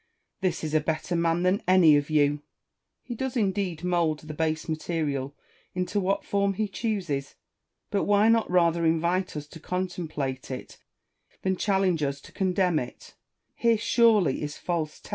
This is a better man than any of you / He does indeed mould the base material into what form he chooses ; but why not rather invite us to contemplate it than challenge us to condemn it 1 Here surely is false taste.